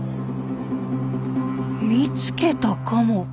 見つけたかも。